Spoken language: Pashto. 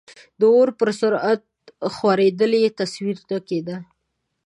د اور په سرعت خورېدل یې تصور نه کېده.